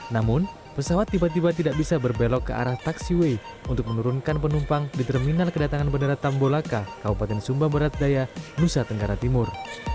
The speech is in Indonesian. namun pesawat tiba tiba tidak bisa berbelok ke arah taxiway untuk menurunkan penumpang di terminal kedatangan bandara tambolaka kabupaten sumba barat daya nusa tenggara timur